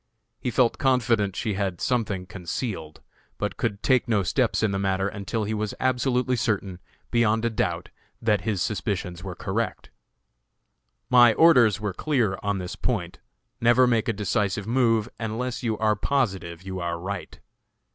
He felt confident she had something concealed, but could take no steps in the matter until he was absolutely certain, beyond a doubt, that his suspicions were correct. My orders were clear on this point never make a decisive move unless you are positive you are right.